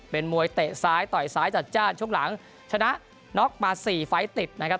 เป็นมวยเตะซ้ายต่อยซ้ายจัดจ้านช่วงหลังชนะน็อกมาสี่ไฟล์ติดนะครับ